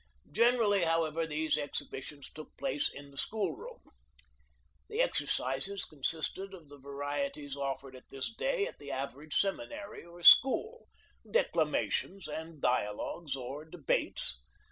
Generally, however, these exhibitions took place in the school room. The exercises consisted of the varieties offered at this day at the average seminary or school — declamations and dialogues or debates.